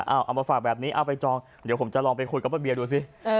เอามาฝากแบบนี้เอาไปจองเดี๋ยวผมจะลองไปคุยกับป้าเบียดูสิ